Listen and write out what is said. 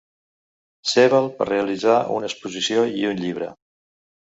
Sebald per realitzar una exposició i un llibre.